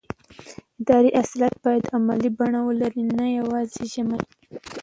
اداري اصلاحات باید عملي بڼه ولري نه یوازې ژمنې